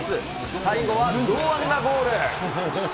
最後は堂安がゴール。